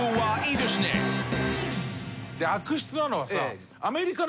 悪質なのはさ。